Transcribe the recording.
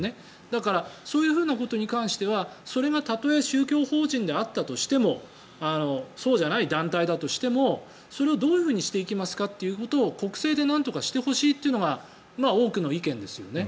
だから、そういうことに関してはそれがたとえ宗教法人であったとしてもそうでなかったとしてもそれをどうしていきますかということを国政で何とかしてほしいというのが多くの意見ですよね。